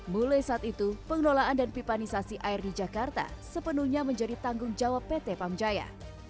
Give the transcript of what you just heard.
mulai saat itu pengelolaan dan pipanisasi air di jakarta sepenuhnya menjadi tanggung jawab pt pamjaya